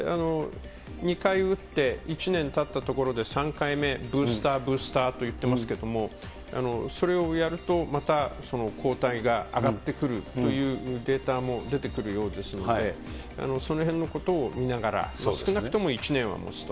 ２回打って１年たったところで、３回目、ブースター、ブースターと言ってますけど、それをやると、また抗体が上がってくるというデータも出てくるようですので、そのへんのことを見ながら、少なくとも１年はもつと。